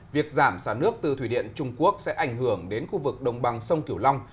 việc giảm xả nước từ thủy điện trung quốc sẽ ảnh hưởng đến khu vực đồng bằng sông kiểu long